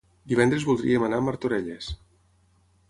Divendres voldríem anar a Martorelles.